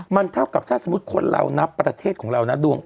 มันเท่ากับถ้าสมมุติคนเรานับประเทศของเรานะดวง